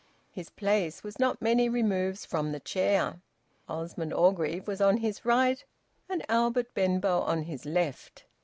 His place was not many removes from the chair. Osmond Orgreave was on his right, and Albert Benbow on his left.